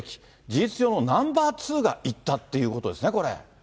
事実上のナンバー２が行ったっていうことですね、これ。